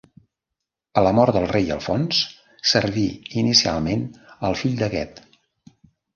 A la mort del rei Alfons serví inicialment el fill d'aquest.